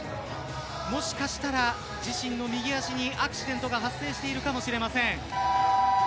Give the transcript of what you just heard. もしかしたら、自身の右足にアクシデントが発生しているかもしれません。